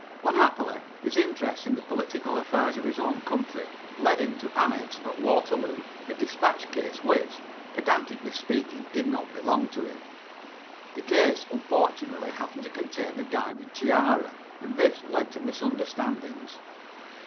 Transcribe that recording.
Unhappily his interest in the political affairs of his own country led him to annex at Waterloo a despatch case which, pedantically speaking, did not belong to him. The case unfortunately happened to contain a diamond tiara, and this led to misunderstandings.